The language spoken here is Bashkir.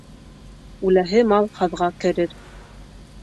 Үләһе мал һаҙға керер.